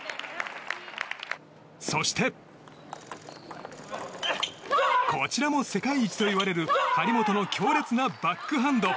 そして、こちらも世界一といわれる張本の強烈なバックハンド！